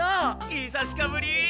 いさしかぶり！